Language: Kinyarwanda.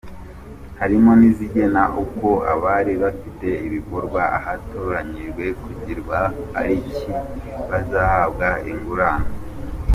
Harimo n’izigena uko abari bafite ibikorwa ahatoranyijwe kugirwa Pariki bazahabwa ingurane.